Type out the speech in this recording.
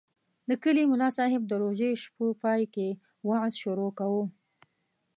د کلي ملاصاحب د روژې شپو پای کې وعظ شروع کاوه.